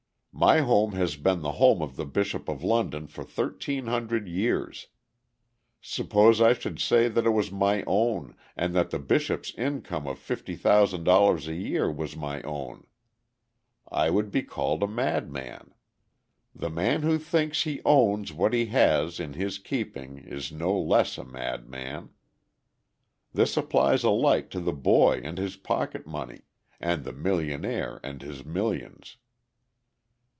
"My home has been the home of the Bishop of London for 1,300 years. Suppose I should say that it was my own, and that the Bishop's income of $50,000 a year was my own. I would be called a madman. The man who thinks he owns what he has in his keeping is no less a madman. This applies alike to the boy and his pocket money, and the millionaire and his millions.